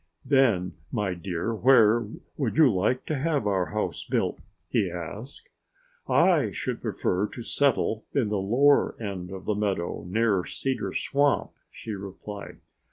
"Then, my dear, where would you like to have our house built?" he asked. "I should prefer to settle in the lower end of the meadow, near Cedar Swamp," she replied.